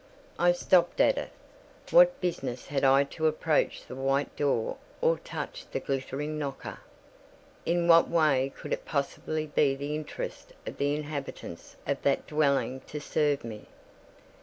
I stopped at it. What business had I to approach the white door or touch the glittering knocker? In what way could it possibly be the interest of the inhabitants of that dwelling to serve me?